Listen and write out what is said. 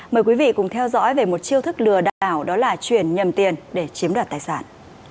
mời quý vị cùng theo dõi về một chiêu thức lừa đảo đó là chuyển nhầm tiền để chiếm đoạt tài sản